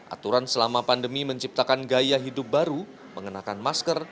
aturan selama pandemi menciptakan gaya hidup baru mengenakan masker